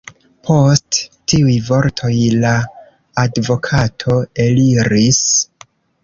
Post tiuj vortoj la advokato eliris.